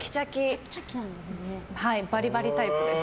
バリバリタイプです。